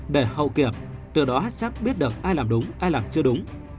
để hậu kiệp từ đó sắp biết được ai làm đúng ai làm chưa đúng